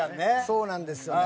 そうなんですよね。